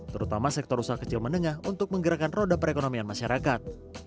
terutama sektor usaha kecil menengah untuk menggerakkan roda perekonomian masyarakat